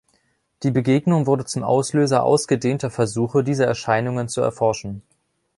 Die Begegnung wurde zum Auslöser ausgedehnter Versuche, diese Erscheinungen zu erforschen.